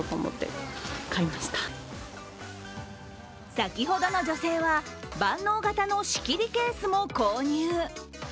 先ほどの女性は、万能型の仕切りケースも購入。